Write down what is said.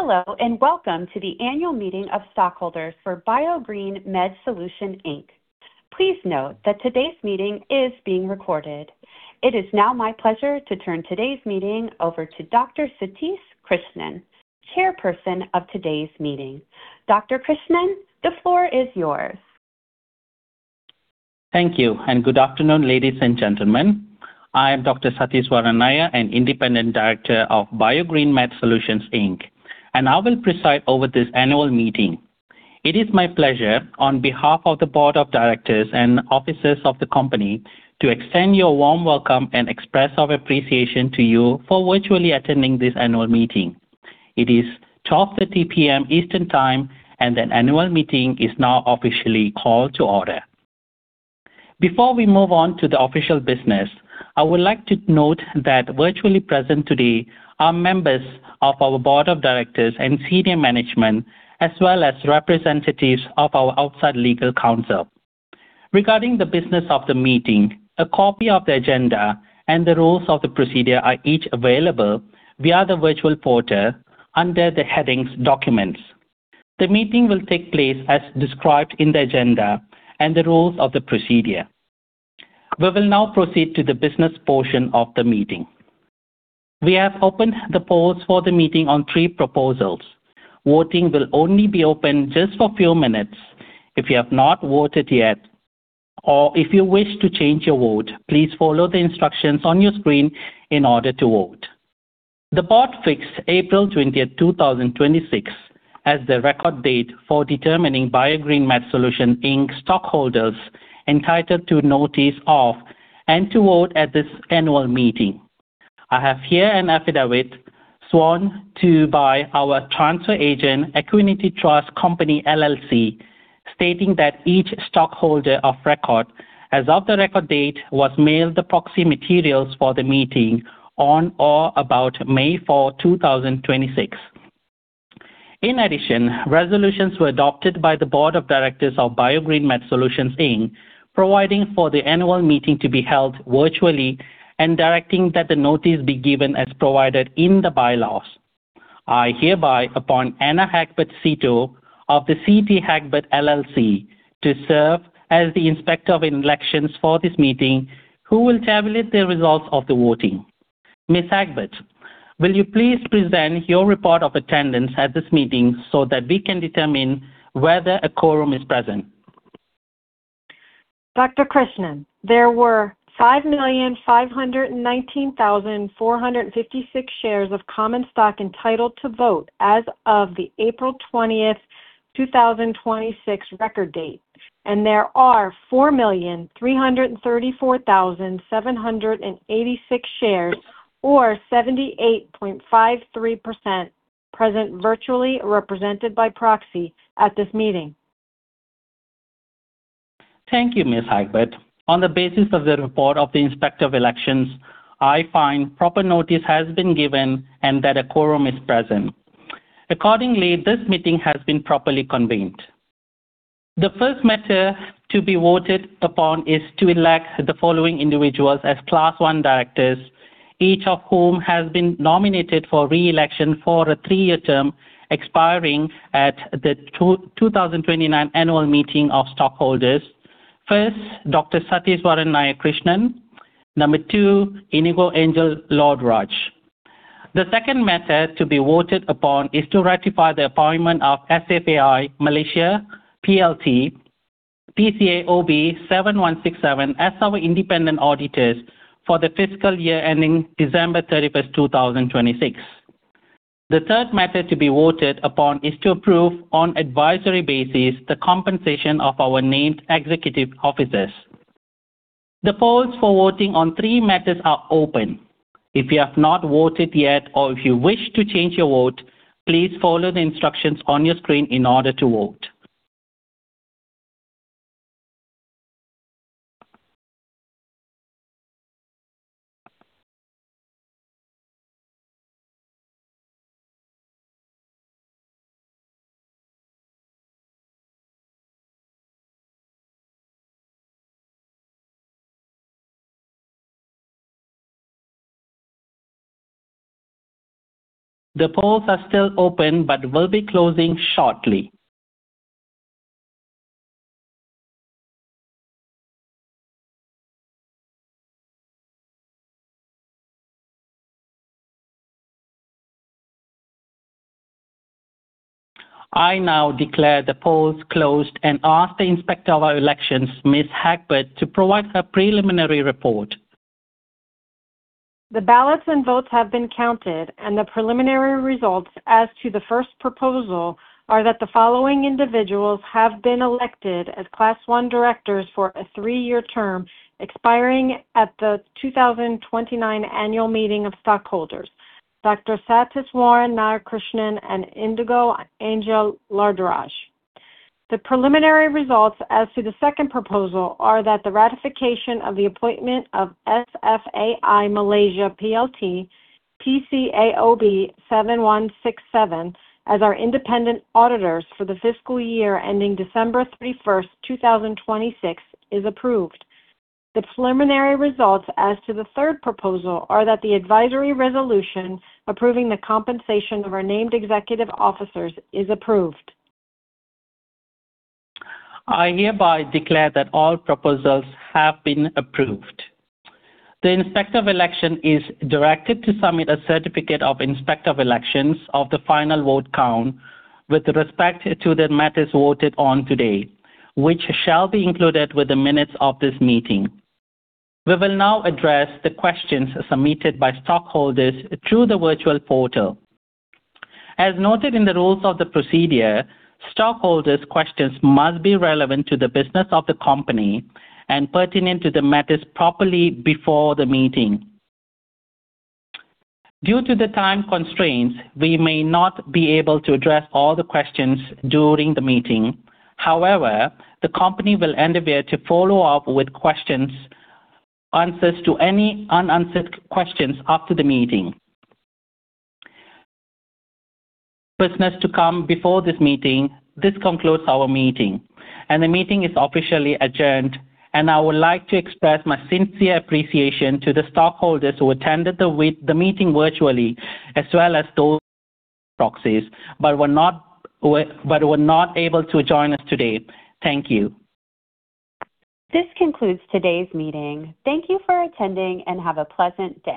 Hello, and welcome to the annual meeting of stockholders for Bio Green Med Solution, Inc. Please note that today's meeting is being recorded. It is now my pleasure to turn today's meeting over to Dr. Satis Krishnan, chairperson of today's meeting. Dr. Krishnan, the floor is yours. Thank you, good afternoon, ladies and gentlemen. I am Dr. Satis Waran Nair, an independent director of Bio Green Med Solution, Inc., I will preside over this annual meeting. It is my pleasure, on behalf of the board of directors and officers of the company, to extend your warm welcome and express our appreciation to you for virtually attending this annual meeting. It is 12:30 P.M. Eastern Time, the annual meeting is now officially called to order. Before we move on to the official business, I would like to note that virtually present today are members of our board of directors and senior management, as well as representatives of our outside legal counsel. Regarding the business of the meeting, a copy of the agenda and the rules of the procedure are each available via the virtual portal under the headings Documents. The meeting will take place as described in the agenda and the rules of the procedure. We will now proceed to the business portion of the meeting. We have opened the polls for the meeting on three proposals. Voting will only be open just for a few minutes. If you have not voted yet or if you wish to change your vote, please follow the instructions on your screen in order to vote. The board fixed April 20th, 2026, as the record date for determining Bio Green Med Solution, Inc., stockholders entitled to notice of and to vote at this annual meeting. I have here an affidavit sworn to by our transfer agent, Equiniti Trust Company, LLC, stating that each stockholder of record as of the record date was mailed the proxy materials for the meeting on or about May 4th, 2026. In addition, resolutions were adopted by the board of directors of Bio Green Med Solution, Inc., providing for the annual meeting to be held virtually and directing that the notice be given as provided in the bylaws. I hereby appoint Anna Hagbert, CTO of CT Hagbert LLC, to serve as the Inspector of Elections for this meeting, who will tabulate the results of the voting. Ms. Hagbert, will you please present your report of attendance at this meeting so that we can determine whether a quorum is present? Dr. Krishnan, there were 5,519,456 shares of common stock entitled to vote as of the April 20th, 2026 record date. There are 4,334,786 shares, or 78.53%, present virtually or represented by proxy at this meeting. Thank you, Ms. Hagbert. On the basis of the report of the Inspector of Elections, I find proper notice has been given and that a quorum is present. Accordingly, this meeting has been properly convened. The first matter to be voted upon is to elect the following individuals as Class I directors, each of whom has been nominated for re-election for a three-year term expiring at the 2029 annual meeting of stockholders. First, Dr. Satis Waran Nair Krishnan. Number two, Inigo Angel Laurduraj. The second matter to be voted upon is to ratify the appointment of SFAI Malaysia PLT, PCAOB 7167 as our independent auditors for the fiscal year ending December 31st, 2026. The third matter to be voted upon is to approve on advisory basis the compensation of our named executive officers. The polls for voting on three matters are open. If you have not voted yet or if you wish to change your vote, please follow the instructions on your screen in order to vote. The polls are still open but will be closing shortly. I now declare the polls closed and ask the Inspector of our Elections, Ms. Hagbert, to provide her preliminary report. The ballots and votes have been counted and the preliminary results as to the first proposal are that the following individuals have been elected as Class I directors for a three-year term expiring at the 2029 annual meeting of stockholders, Dr. Satis Waran Nair Krishnan and Inigo Angel Laurduraj. The preliminary results as to the second proposal are that the ratification of the appointment of SFAI Malaysia PLT, PCAOB 7167 as our independent auditors for the fiscal year ending December 31st, 2026 is approved. The preliminary results as to the third proposal are that the advisory resolution approving the compensation of our named executive officers is approved. I hereby declare that all proposals have been approved. The Inspector of Election is directed to submit a certificate of Inspector of Elections of the final vote count with respect to the matters voted on today, which shall be included with the minutes of this meeting. We will now address the questions submitted by stockholders through the virtual portal. As noted in the rules of the procedure, stockholders' questions must be relevant to the business of the company and pertinent to the matters properly before the meeting. Due to the time constraints, we may not be able to address all the questions during the meeting. However, the company will endeavor to follow up with answers to any unanswered questions after the meeting. Business to come before this meeting, this concludes our meeting and the meeting is officially adjourned and I would like to express my sincere appreciation to the stockholders who attended the meeting virtually as well as those proxies but were not able to join us today. Thank you. This concludes today's meeting. Thank you for attending and have a pleasant day.